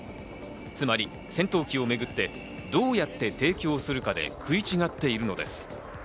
つまり戦闘機をめぐって、どうやって提供するかで食い違っているのです。